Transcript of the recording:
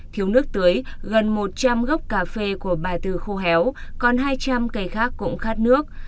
thiếu nước tưới gần một trăm linh gốc cà phê của bà từ khô héo còn hai trăm linh cây khác cũng khát nước